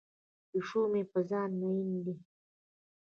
پیشو مې په ځان مین دی.